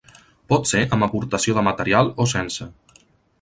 Pot ser amb aportació de material o sense.